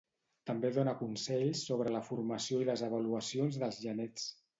També dona consells sobre la formació i les avaluacions dels genets.